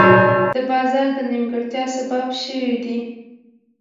د بازار د نیمګړتیا سبب شوي دي.